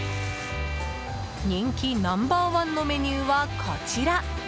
人気ナンバー１のメニューはこちら。